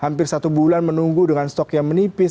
hampir satu bulan menunggu dengan stok yang menipis